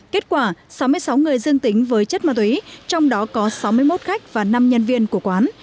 kết quả sáu mươi sáu người dương tính với chất ma túy trong đó có sáu mươi một khách và năm nhân viên của quán